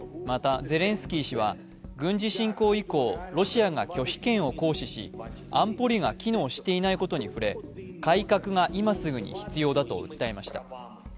またゼレンスキー氏は軍事侵攻以降、ロシアが拒否権を行使し、安保理が機能していないことに触れ改革が今すぐに必要だと訴えました。